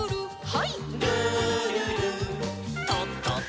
はい。